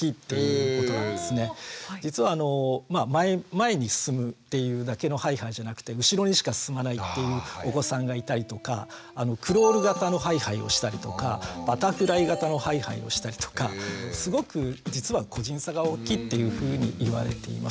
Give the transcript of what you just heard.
実は前に進むっていうだけのハイハイじゃなくて後ろにしか進まないっていうお子さんがいたりとかクロール型のハイハイをしたりとかバタフライ型のハイハイをしたりとかすごく実は個人差が大きいっていうふうにいわれています。